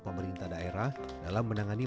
pemerintah daerah dalam menangani